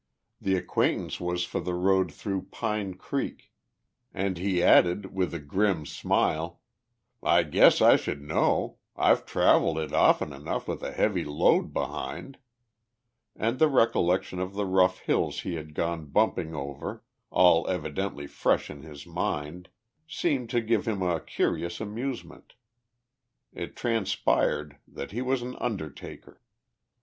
The acquaintance was for the road through "Pine Creek," and he added, with a grim smile, "I guess I should know; I've travelled it often enough with a heavy load behind"; and the recollection of the rough hills he had gone bumping over, all evidently fresh in his mind, seemed to give him a curious amusement. It transpired that he was an undertaker!